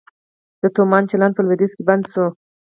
د تومان چلند په لویدیځ کې بند شو؟